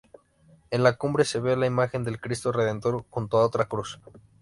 En la cumbre se ve la imagen del Cristo Redentor junto a otra cruz.